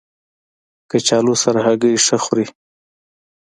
کچالو سره هګۍ ښه خوري